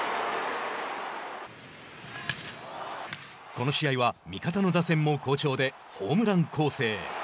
この試合は味方の打線も好調でホームラン攻勢。